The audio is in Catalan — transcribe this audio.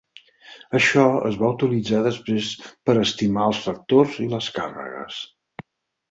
Això es va utilitzar després per estimar els factors i les càrregues.